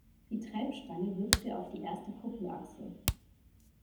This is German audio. Die Treibstange wirkte auf die erste Kuppelachse.